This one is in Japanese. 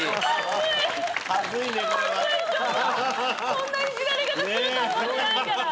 こんないじられ方すると思ってないから。